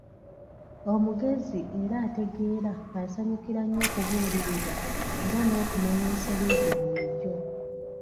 Omugezi era ategeera asanyukira nnyo okubuulirirwa era n'okumanya ensobi ze bulijjo.